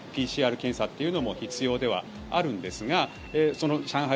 ＰＣＲ検査というのも必要ではあるんですが上海